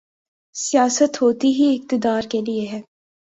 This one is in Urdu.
سیاست ہوتی ہی اقتدار کے لیے ہے۔